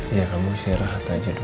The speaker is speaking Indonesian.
ya kamu sehat aja dulu